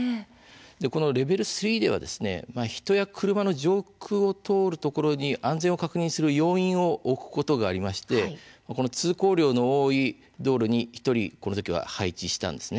レベル３では人や車の上空を通るところに安全を確認する要員を置くことがありまして通行量の多い道路に１人この時は配置したんです。